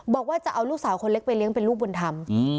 บอกว่าจะเอาลูกสาวคนเล็กไปเลี้ยงเป็นลูกบุญธรรม